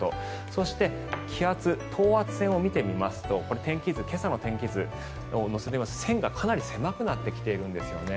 そして気圧、等圧線を見てみますと今朝の天気図を乗せてみますと線がかなり狭くなってきているんですよね。